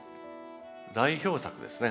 代表作ですね。